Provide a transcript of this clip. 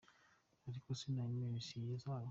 Ariko se na e-mails si izabo?”.